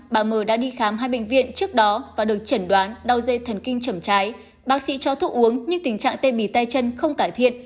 bà mờ đã đi khám hai bệnh viện trước đó và được chẩn đoán đau dây thần kinh chẩm trái bác sĩ cho thuốc uống nhưng tình trạng tê bì tay chân không cải thiện